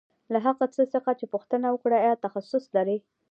له هغه څخه یې پوښتنه وکړه چې آیا تخصص لرې